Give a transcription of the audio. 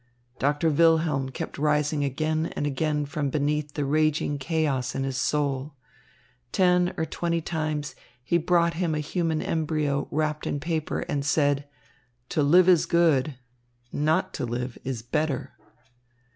Doctor Wilhelm kept rising again and again from beneath the raging chaos in his soul. Ten or twenty times he brought him a human embryo wrapped in paper, and said: "To live is good. Not to live is better."